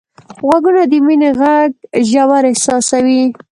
غوږونه د مینې غږ ژور احساسوي